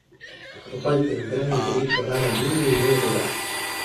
Lo cual tendrán el derecho a dar al niño un nuevo hogar.